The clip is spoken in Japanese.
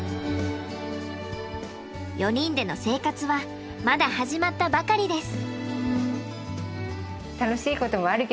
４人での生活はまだ始まったばかりです。